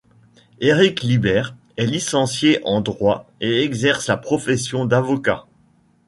Éric Libert est licencié en droit et exerce la profession d'avocat.